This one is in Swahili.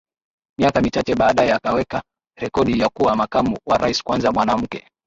Miaka michache baadaye akaweka rekodi ya kuwa makamu wa rais kwanza mwanamke